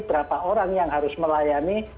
berapa orang yang harus melayani